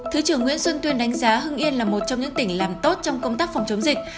thứ trưởng nguyễn xuân tuyên đánh giá hưng yên là một trong những tỉnh làm tốt trong công tác phòng chống dịch